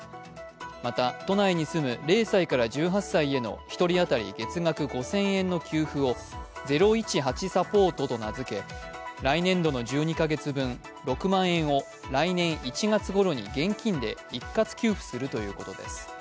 また、都内に住む０歳から１８歳への１人当たり月額５０００円の給付を０１８サポートと名付け、来年度の１２か月分、６万円を来年１月ごろに現金で一括給付するということです。